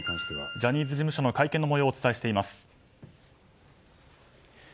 ジャニーズ事務所の会見の模様をお伝えしております。